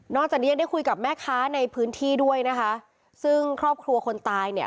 จากนี้ยังได้คุยกับแม่ค้าในพื้นที่ด้วยนะคะซึ่งครอบครัวคนตายเนี่ย